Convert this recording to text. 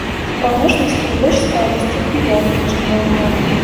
Паўночны схіл больш спадзісты і доўгі, чым паўднёвы.